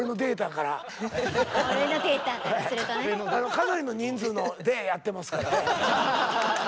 かなりの人数のでやってますから。